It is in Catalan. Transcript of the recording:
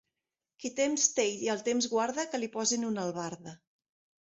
Qui temps té i el temps guarda, que li posin una albarda.